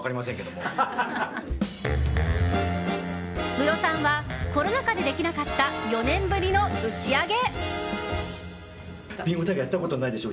ムロさんはコロナ禍でできなかった４年ぶりの打ち上げ。